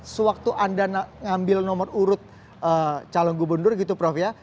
sewaktu anda ngambil nomor urut calon gubernur gitu prof ya